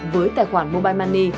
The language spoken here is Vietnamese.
với tài khoản mobile money